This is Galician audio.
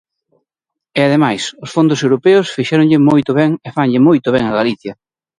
E, ademais, os fondos europeos fixéronlle moito ben e fanlle moito ben a Galicia.